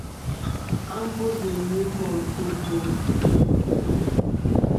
A mbus mìnyì mɔ̀m ìbùù.